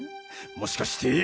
もしかして。